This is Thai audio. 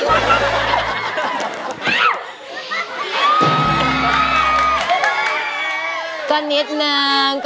อันนี้เลยก็นิดนึง